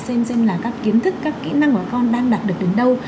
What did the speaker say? xem xem là các kiến thức các kỹ năng của các con đang đạt được đến đâu